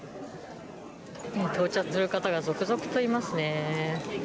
到着する方が続々といますね。